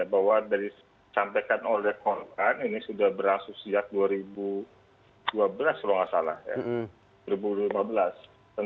bahwa dari sampaikan oleh korban ini sudah berlangsung sejak dua ribu dua belas kalau nggak salah ya